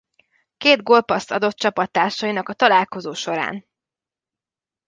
Két gólpasszt adott csapattársainak a találkozó során.